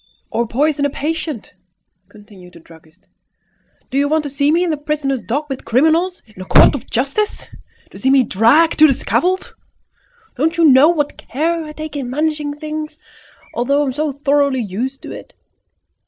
"Or poison a patient!" continued the druggist. "Do you want to see me in the prisoner's dock with criminals, in a court of justice? To see me dragged to the scaffold? Don't you know what care I take in managing things, although I am so thoroughly used to it?